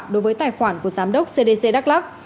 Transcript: đối với tài khoản của giám đốc cdc đắk lắc